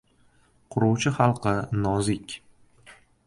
Quruvchi xalqi - nozik.